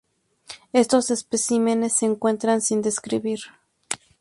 Estos especímenes se encuentran sin describir.